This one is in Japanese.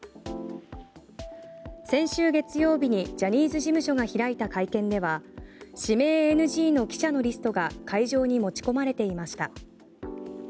先週月曜日にジャニーズ事務所が開いた会見では指名ＮＧの記者のリストが会場に持ち込まれていました。